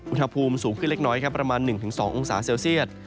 อุณหภูมิสูงขึ้นเล็กน้อยครับประมาณ๑๒องศาเซลเซียต